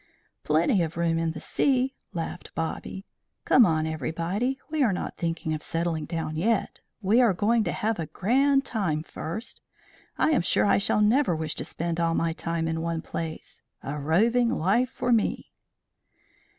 "Plenty of room in the sea!" laughed Bobby. "Come on everybody. We are not thinking of settling down yet. We are going to have a grand time first. I am sure I shall never wish to spend all my time in one place. A roving life for me!"